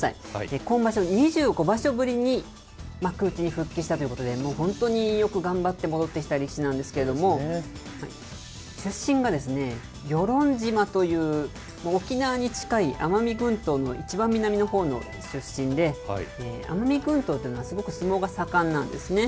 今場所、２５場所ぶりに幕内に復帰したということで、もう本当によく頑張って戻ってきた力士なんですけれども、出身が与論島という、沖縄に近い奄美群島の一番南のほうの出身で、奄美群島というのは、すごく相撲が盛んなんですね。